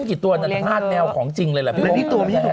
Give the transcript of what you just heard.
อู้วเรื่องแมวอันนี้